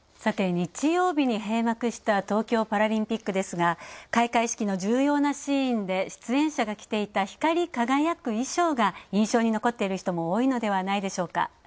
日曜日に閉幕した東京パラリンピックですが、開会式の重要な支援で出演者が着ていた光り輝く衣装が印象に残っている人も多いのではないでしょうか。